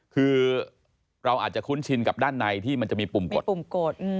คือเราอาจจะคุ้นชินกับด้านในที่มันจะมีปุ่มกดปุ่มกด